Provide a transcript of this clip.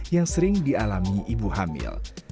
yang sering dialami ibu hamil